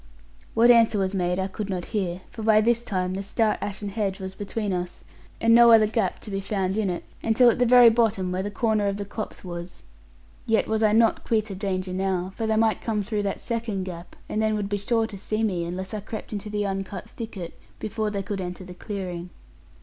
What answer was made I could not hear, for by this time the stout ashen hedge was between us, and no other gap to be found in it, until at the very bottom, where the corner of the copse was. Yet I was not quit of danger now; for they might come through that second gap, and then would be sure to see me, unless I crept into the uncut thicket, before they could enter the clearing.